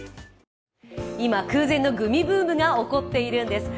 今、空前のグミブームが起こっているんです。